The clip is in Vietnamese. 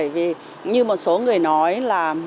vì như một số người nói là